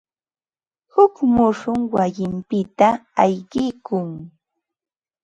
Huk muusum wayinpita ayqikun.